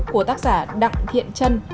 của tác giả đặng thiện trân